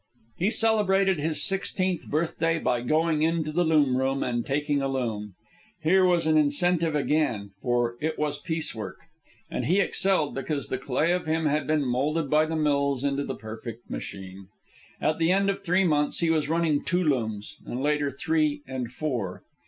He celebrated his sixteenth birthday by going into the loom room and taking a loom. Here was an incentive again, for it was piece work. And he excelled, because the clay of him had been moulded by the mills into the perfect machine. At the end of three months he was running two looms, and, later, three and four.